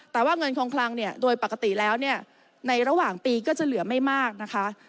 แต่ว่าเงินคงคลังเนี่ยโดยปกติแล้วเนี่ยในระหว่างปีก็จะเหลือไม่มากนะคะ